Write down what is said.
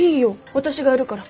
私がやるから。